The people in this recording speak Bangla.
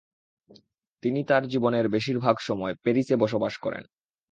তিনি তার জীবনের বেশিরভাগ সময় প্যারিসে বসবাস করেন।